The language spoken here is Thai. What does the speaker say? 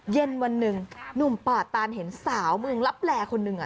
เย็นวันหนึ่งหนุ่มป่าตานเห็นสาวเมืองลับแลคนหนึ่ง